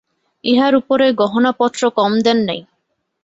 ইহার উপরে গহনাপত্র কম দেন নাই।